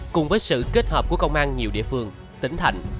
cùng với sự kết hợp của công an nhiều địa phương tỉnh thành